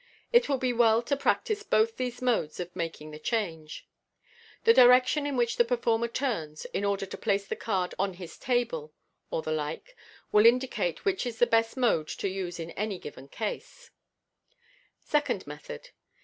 It will be well to practise both these modes of making the change. The direction in which the performer turns, in order to place the card on his table, or the like, will indicate which is the best mode to use in any given case. Second Method.